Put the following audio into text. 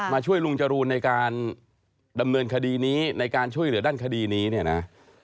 ช่วยลุงจรูนในการดำเนินคดีนี้ในการช่วยเหลือด้านคดีนี้เนี่ยนะ